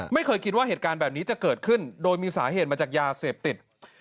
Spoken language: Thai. ไม่เคยคิดว่าเหตุการณ์แบบนี้จะเกิดขึ้นโดยมีสาเหตุมาจากยาเสพติด